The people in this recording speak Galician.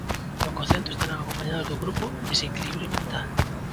No concerto estarán acompañados do grupo Desequilibrio Mental.